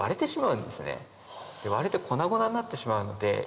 割れて粉々になってしまうので。